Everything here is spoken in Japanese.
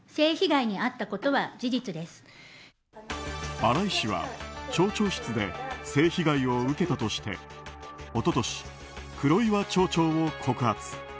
新井氏は町長室で性被害を受けたとして一昨年、黒岩町長を告発。